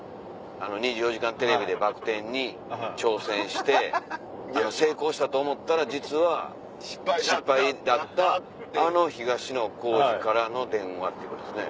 『２４時間テレビ』でバク転に挑戦して成功したと思ったら実は失敗だったあの東野幸治からの電話ってことですね。